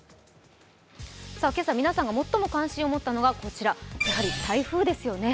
今朝、皆さんが最も関心を持ったのがやはり台風ですよね。